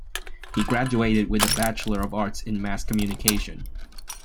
He graduated with a Bachelor of Arts in Mass Communication.